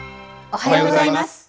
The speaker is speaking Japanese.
おはようございます。